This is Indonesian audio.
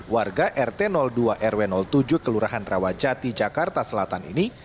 warga rt dua rw tujuh kelurahan rawajati jakarta selatan ini